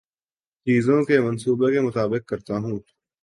چیزوں کے منصوبے کے مطابق کرتا ہوں